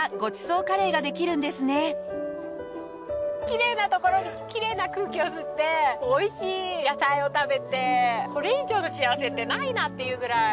きれいな所できれいな空気を吸っておいしい野菜を食べてこれ以上の幸せってないなっていうぐらい。